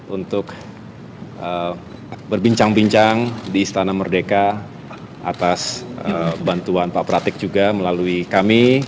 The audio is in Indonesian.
untuk berbincang bincang di istana merdeka atas bantuan pak pratik juga melalui kami